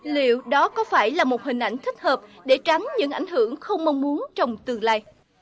liệu đó có phải là một hình ảnh thích hợp để tránh những ảnh hưởng không mong muốn trong tương lai